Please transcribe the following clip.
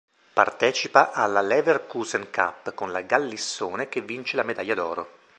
Partecipa alla Leverkusen Cup con la Gal Lissone che vince la medaglia d'oro.